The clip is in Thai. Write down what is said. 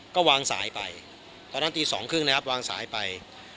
ก็วางสายไปตอนนั้นตี๒๓๐นะครับวางสายไป